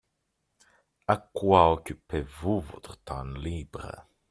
À quoi occupez-vous votre temps libre ?